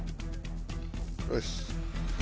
よし。